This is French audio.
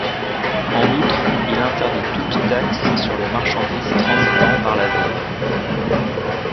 En outre, il interdit toute taxe sur les marchandises transitant par la ville.